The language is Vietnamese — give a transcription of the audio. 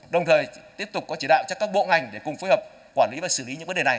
đồng thời tiếp tục có chỉ đạo cho các bộ ngành để cùng phối hợp quản lý và xử lý